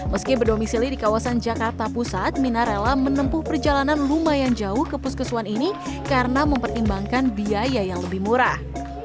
meski berdomisili di kawasan jakarta pusat mina rela menempuh perjalanan lumayan jauh ke puskesuan ini karena mempertimbangkan biaya yang lebih murah